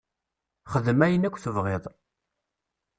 Xdem ayen akk tebɣiḍ.